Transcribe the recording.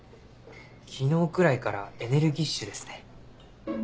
昨日くらいからエネルギッシュですね。